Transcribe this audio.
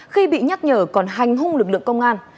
khi bị nhắc nhở còn hành hung lực lượng công an